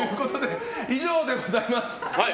以上でございます。